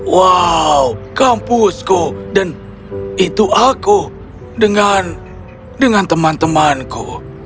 wow kampusku dan itu aku dengan teman temanku